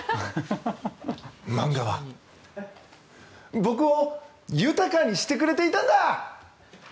漫画は僕を豊かにしてくれていたんだ！